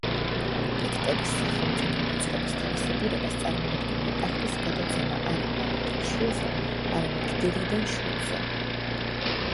პიქტების სახელმწიფო მოწყობის თავისებურებას წარმოადგენდა ტახტის გადაცემა არა მამიდან შვილზე, არამედ დედიდან შვილზე.